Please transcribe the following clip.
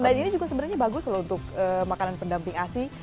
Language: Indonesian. dan ini juga sebenarnya bagus loh untuk makanan pendamping asli